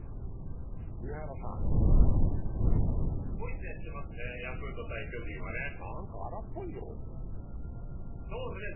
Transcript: すごい試合してますね、ヤクルト×巨人はね。